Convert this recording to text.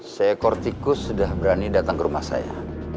sekor tikus sudah berani datang ke rumah saya